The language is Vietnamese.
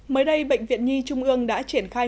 mới đây bệnh viện nhi trung ương đã triển khai